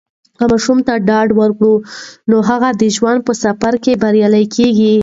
که ماشوم ته ډاډ ورکړو، نو هغه د ژوند په سفر کې بریالی کیږي.